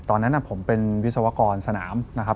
ตอนนั้นผมเป็นวิศวกรสนามนะครับ